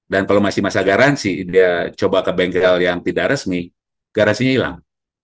dan kalau masih masa garansi dia coba ke bengkel yang tidak resmi garansinya hilang